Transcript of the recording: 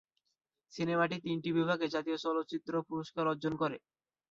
সিনেমাটি তিনটি বিভাগে জাতীয় চলচ্চিত্র পুরস্কার অর্জন করে।